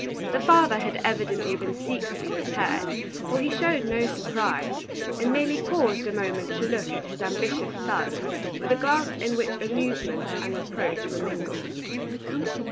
The father had evidently been secretly prepared, for he showed no surprise, and merely paused a moment to look at his ambitious son with a glance in which amusement and reproach were mingled.